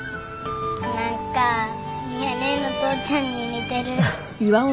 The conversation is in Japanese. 何か美和ネェの父ちゃんに似てる。